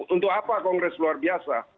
untuk apa kongres luar biasa